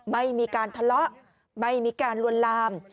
ไม่มีการทะเลาะไม่มีการลวนลาม